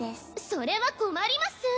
それは困ります！